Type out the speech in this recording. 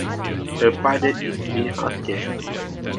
Her father is Jim Huske.